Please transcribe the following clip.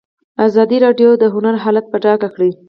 ازادي راډیو د هنر حالت په ډاګه کړی.